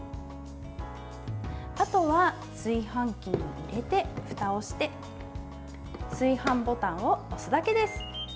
あとは炊飯器に入れてふたをして炊飯ボタンを押すだけです。